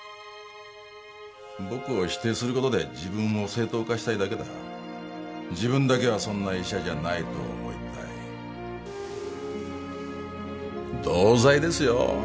僕を否定することで自分を正当化したいだけだ自分だけはそんな医者じゃないと思いたい同罪ですよ